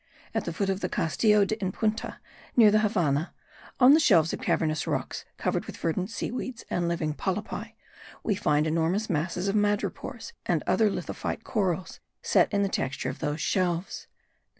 At the foot of the Castillo de in Punta, near the Havannah, on shelves of cavernous rocks,* covered with verdant sea weeds and living polypi, we find enormous masses of madrepores and other lithophyte corals set in the texture of those shelves.